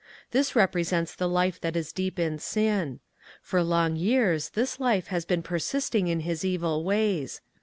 This represents the life that is deep in sin. For long years this life has been persisting in his evil ways.